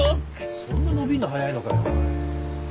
そんな伸びんの早いのかよ。